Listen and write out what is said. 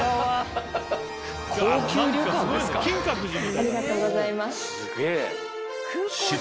ありがとうございます。